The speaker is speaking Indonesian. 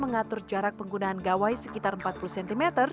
mengatur jarak penggunaan gawai sekitar empat puluh cm